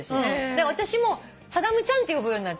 で私も「サダムちゃん」って呼ぶようになって。